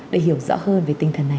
để hiểu rõ hơn về tinh thần này